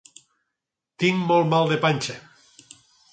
Tinc molt mal de panxa.